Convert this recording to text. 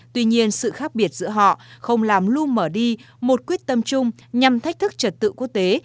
tuy nhiên sự khác biệt giữa họ không làm lưu mở đi một quyết tâm chung nhằm thách thức trật tự quốc tế